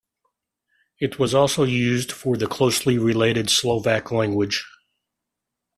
It was also used for the closely related Slovak language.